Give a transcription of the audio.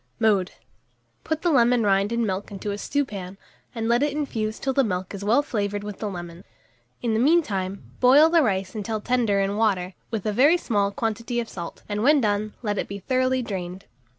Mode. Put the lemon rind and milk into a stewpan, and let it infuse till the milk is well flavoured with the lemon; in the mean time, boil the rice until tender in water, with a very small quantity of salt, and, when done, let it be thoroughly drained.